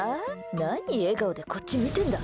何、笑顔でこっち見てんだ。